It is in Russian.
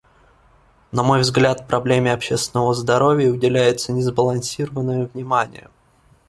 На мой взгляд, проблеме общественного здоровья уделяется несбалансированное внимание.